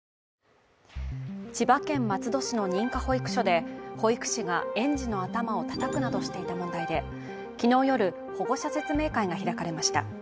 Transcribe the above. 千葉県松戸市の認可保育所で保育士が園児の頭をたたくなどしていた問題で昨日夜、保護者説明会が開かれました。